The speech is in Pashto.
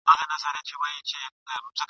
پر لمن د شنه اسمان به یوه ورځ وي لمر ختلی ..